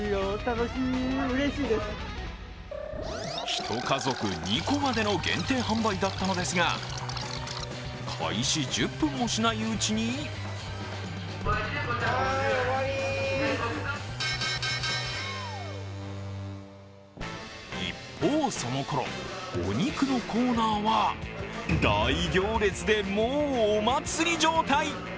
１家族２個までの限定販売だったのですが開始１０分もしないうちに一方、そのころ、お肉のコーナーは大行列でもうお祭り状態。